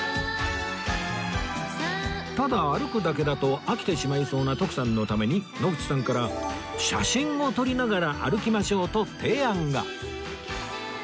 ただ歩くだけだと飽きてしまいそうな徳さんのために野口さんから写真を撮りながら歩きましょうと提案が